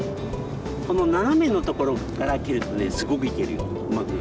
このななめのところから蹴るとねすごくいけるようまく。